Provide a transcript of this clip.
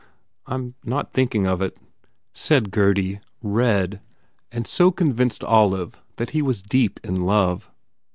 "I m not thinking of it," said Gurdy, red, and so convinced Olive that he was deep in love.